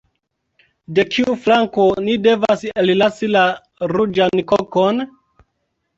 De kiu flanko ni devas ellasi la ruĝan kokon?